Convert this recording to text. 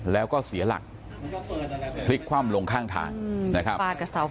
แล้วก็เสียหลักพลิกคว่ำลงข้างทางนะครับ